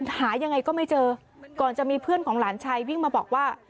หายังไงก็ไม่เจอก่อนจะมีเพื่อนของหลานชายวิ่งมาบอกว่า